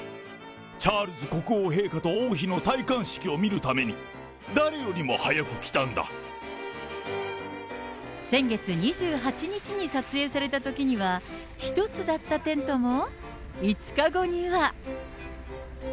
チャールズ国王陛下と王妃の戴冠式を見るために、誰よりも早く来先月２８日に撮影されたときには、１つだったテントも、５日後には。